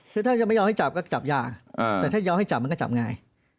คือถ้าจะไม่ยอมให้จับก็จับยาแต่ถ้ายอมให้จับมันก็จับง่าย